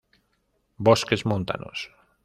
Bosques montanos.